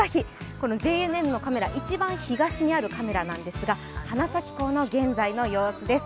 このＪＮＮのカメラ、一番東にあるカメラなんですが花咲港の現在の様子です。